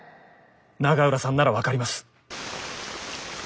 永浦さんなら分かります！